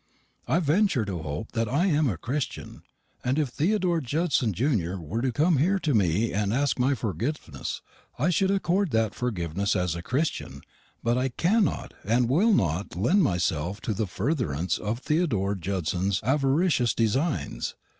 I venture to hope that I am a Christian; and if Theodore Judson junior were to come here to me and ask my forgiveness, I should accord that forgiveness as a Christian; but I cannot and will not lend myself to the furtherance of Theodore Judson's avaricious designs.